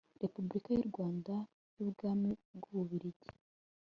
repubulika y u rwanda n ubwami bw ububiligi